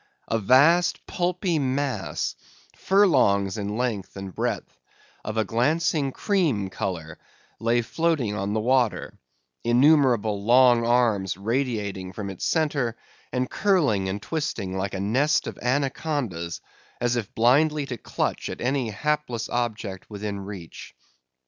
A vast pulpy mass, furlongs in length and breadth, of a glancing cream colour, lay floating on the water, innumerable long arms radiating from its centre, and curling and twisting like a nest of anacondas, as if blindly to clutch at any hapless object within reach.